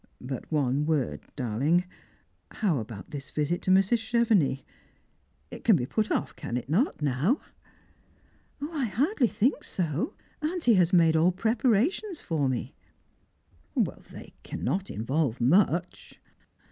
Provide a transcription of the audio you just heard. But one word, darling. What about this visit to Mrs. CheveuLx? It can be put off, can it not, now ?" "I hardly think so; auntie has made all preparations for me. " They cannot involve much."